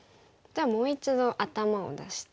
じゃあもう一度頭を出して。